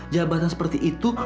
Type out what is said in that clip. jabatan seperti itu